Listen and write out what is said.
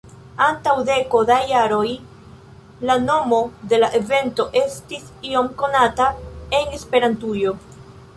Antaŭ deko da jaroj, la nomo de la evento estis iom konata en Esperantujo.